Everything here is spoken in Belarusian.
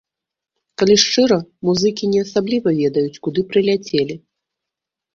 Калі шчыра, музыкі не асабліва ведаюць, куды прыляцелі.